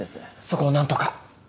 そこを何とか。